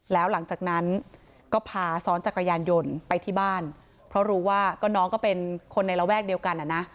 แล้วหลังจากนั้นก็พาซ้อนจักรยานยนต์ไปที่บ้านเพราะรู้ว่าก็น้องก็เป็นคนในระแวกเดียวกันอ่ะนะ